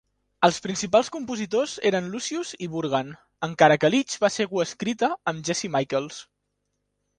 Els principals compositors eren Luscious i Burgan, encara que Leech va ser coescrita amb Jesse Michaels.